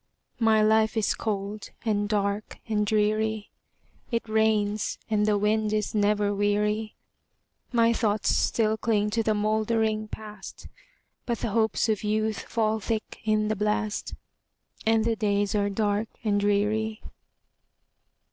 My life is cold, and dark, and dreary; It rains, and the wind is never weary; My thoughts still cling to the moldering Past, But the hopes of youth fall thick in the blast, And the days are dark and dreary.